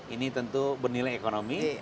ini tentu bernilai ekonomi